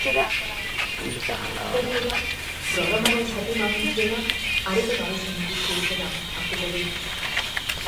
Dena dela, programaren zati mamitsuena areto nagusian ikusi ez zenak hartuko du.